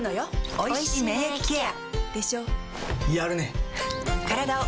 おいしい免疫ケア